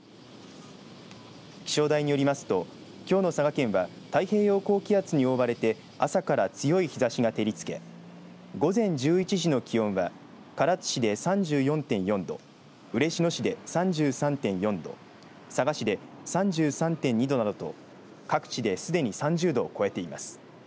気象台によりますときょうの佐賀県は太平洋高気圧に覆われて朝から強い日ざしが照りつけ午前１１時の気温は唐津市で３４．４度嬉野市で３３．４度佐賀市で３３．２度などと各地ですでに３０度を超えています。